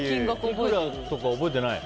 いくらとか覚えてない？